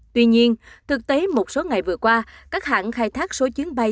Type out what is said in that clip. tuy nhiên thực tế một số ngày vừa qua các hãng khai thác số chuyến bay